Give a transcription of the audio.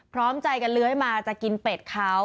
พร้อมใจกันเลื้อยมาจะกินเป็ดเขา